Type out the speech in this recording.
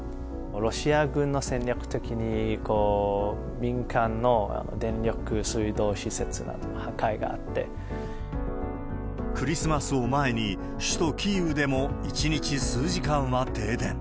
ロシア軍の戦略的に、民間の電力、クリスマスを前に、首都キーウでも１日数時間は停電。